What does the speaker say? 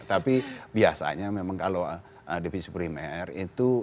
tapi biasanya memang kalau divisi primer itu